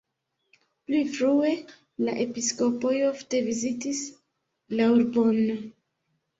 Pli frue la episkopoj ofte vizitis la urbon.